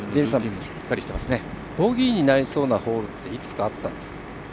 ボギーになりそうなホールっていくつかあったんですか？